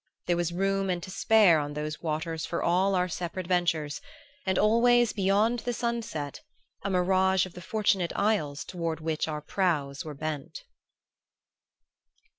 There was room and to spare on those waters for all our separate ventures; and always beyond the sunset, a mirage of the fortunate isles toward which our prows bent.